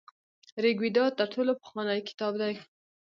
ریګویډا تر ټولو پخوانی کتاب دی.